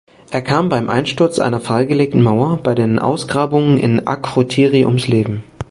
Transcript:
Er kam beim Einsturz einer freigelegten Mauer bei den Ausgrabungen in Akrotiri ums Leben.